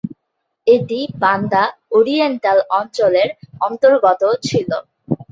এটি Banda Oriental অঞ্চলের অন্তর্গত ছিল।